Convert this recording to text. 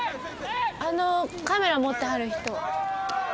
あのカメラ持ってはる人。